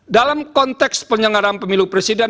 dalam konteks penyelenggaraan pemilu presiden